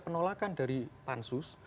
penolakan dari pansus